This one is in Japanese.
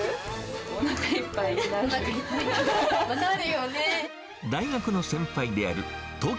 おなかいっぱいになる。